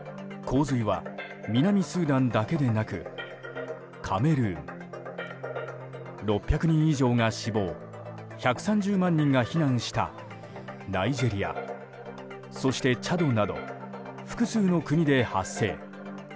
洪水は南スーダンだけでなくカメルーン６００人以上が死亡１３０万人が避難したナイジェリア、チャドなど複数の国で発生。